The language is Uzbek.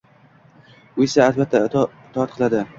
U esa albatta itoat qiladi